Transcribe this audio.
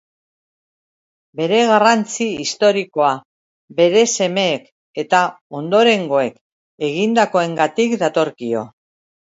Bere garrantzi historikoa bere semeek eta ondorengoek egindakoengatik datorkio.